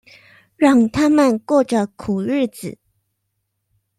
讓他們過著苦日子